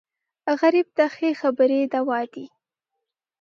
غریب ته ښې خبرې دوا دي